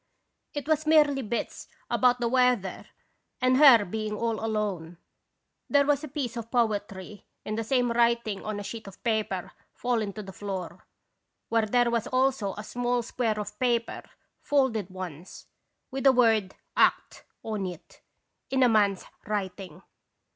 It was merely bits about the weather and her being all alone. There was a piece of poetry in the same writing on a sheet of paper fallen to the floor, where there was also a small square of paper, folded once, with the word 'Act/' on it, in a man's writing.